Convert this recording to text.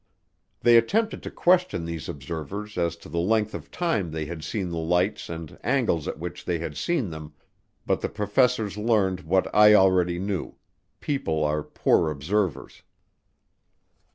They attempted to question these observers as to the length of time they had seen the lights and angles at which they had seen them, but the professors learned what I already knew, people are poor observers.